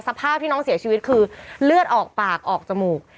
สภาพที่น้องเสียชีวิตคือเลือดออกปากออกจมูก